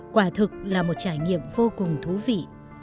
quả thực là một trải nghiệm vô cùng thú vị